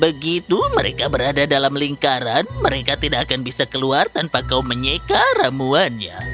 begitu mereka berada dalam lingkaran mereka tidak akan bisa keluar tanpa kau menyika ramuannya